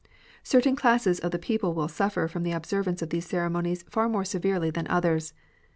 Certain cLasses of the people will suffer from the observance of these ceremonies far more severely than others.